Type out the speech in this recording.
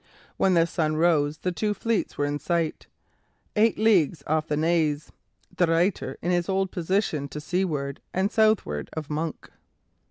When the sun rose the two fleets were in sight, "eight leagues off the Naze," De Ruyter in his old position to seaward and southward of Monk.